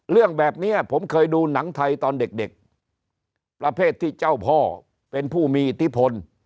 เรื่องแบบนี้ผมเคยดูหนังไทยตอนเด็กประเภทที่เจ้าพ่อเป็นผู้มีอิทธิพล